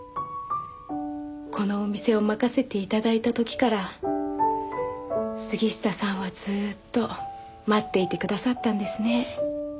このお店を任せて頂いた時から杉下さんはずーっと待っていてくださったんですね。